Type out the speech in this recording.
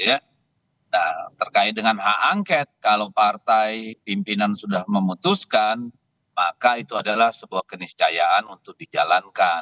nah terkait dengan hak angket kalau partai pimpinan sudah memutuskan maka itu adalah sebuah keniscayaan untuk dijalankan